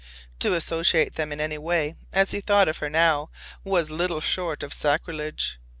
To associate them in any way, as he thought of her now, was little short of sacrilege.